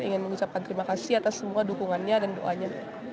ingin mengucapkan terima kasih atas semua dukungannya dan doanya